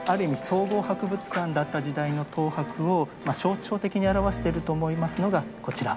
総合博物館だった時代の東博を象徴的に表していると思いますのがこちら。